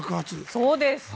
そうです！